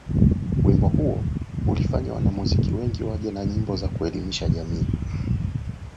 Wimbo huo ulifanya wanamuziki wengi waje na nyimbo za kuelimisha jamii